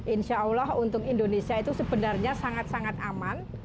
insya allah untuk indonesia itu sebenarnya sangat sangat aman